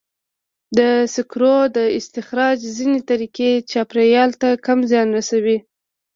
د سکرو د استخراج ځینې طریقې چاپېریال ته کم زیان رسوي.